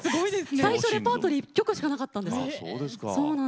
最初はレパートリーが１曲しかなかったんです。